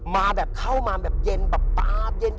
มาแบบเข้ามาแบบเย็นแบบป๊าบเย็น